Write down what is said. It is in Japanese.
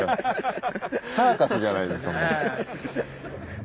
サーカスじゃないですかもう。